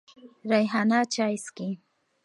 ریحانه چای څکې.